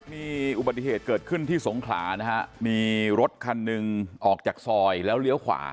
มีอุบัติเหตุเกิดขึ้นที่สงขลานะฮะมีรถคันหนึ่งออกจากซอยแล้วเลี้ยวขวา